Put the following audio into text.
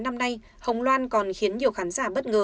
ba ơi con nhớ ba